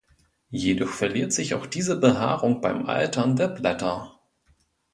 Jedoch verliert sich auch diese Behaarung beim Altern der Blätter.